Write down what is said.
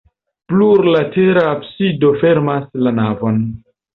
Plurlatera absido fermas la navon.